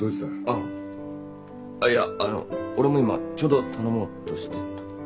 あっあっいやあの俺も今ちょうど頼もうとしてた。